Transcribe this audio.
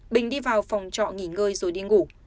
bình đi vào phòng trọ nghỉ ngơi rồi đi ngủ